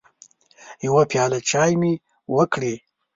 يوه پياله چايي مې وکړې